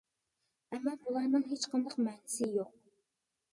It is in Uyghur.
ئەمما بۇلارنىڭ ھېچ قانداق مەنىسى يوق.